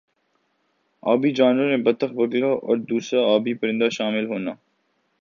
آبی جانور میں بطخ بگلا اور دُوسْرا آبی پرندہ شامل ہونا